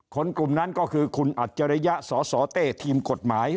กลุ่มนั้นก็คือคุณอัจฉริยะสสเต้ทีมกฎหมาย